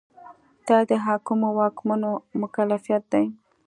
دا د حاکمو واکمنو مکلفیت دی.